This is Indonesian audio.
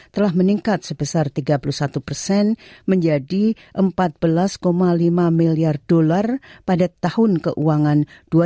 telah meningkat sebesar tiga puluh satu persen menjadi empat belas lima miliar dolar pada tahun keuangan dua ribu dua puluh tiga dua ribu dua puluh empat